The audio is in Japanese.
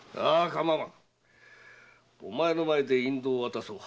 お前の前で引導を渡そう。